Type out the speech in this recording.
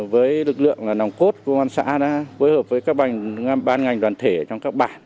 với lực lượng nòng cốt của quan sát phối hợp với các bàn ngành đoàn thể trong các bản